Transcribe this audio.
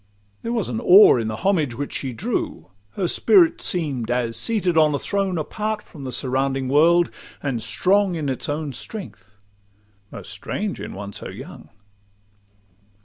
There was awe in the homage which she drew; Her spirit seem'd as seated on a throne Apart from the surrounding world, and strong In its own strength—most strange in one so young!